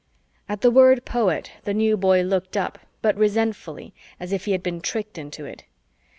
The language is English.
At the word "poet," the New Boy looked up, but resentfully, as if he had been tricked into it.